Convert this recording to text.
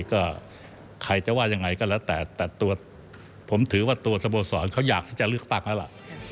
ก็ใครจะว่ายังไงก็แล้วแต่แต่ตัวผมถือว่าตัวสโมสรเขาอยากที่จะเลือกตั้งแล้วล่ะ